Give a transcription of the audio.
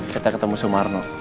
kita ketemu sumarno